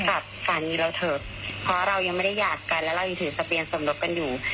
กับสามีเราเถอะเพราะเรายังไม่ได้หยาบกันแล้วเรายังถือเสบียงสมรสกันอยู่